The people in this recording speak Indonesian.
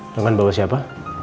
dengan bawa siapa